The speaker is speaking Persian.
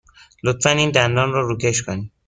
لطفاً این دندان را روکش کنید.